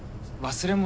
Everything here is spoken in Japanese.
忘れ物？